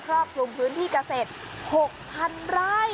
รอบคลุมพื้นที่เกษตร๖๐๐๐ไร่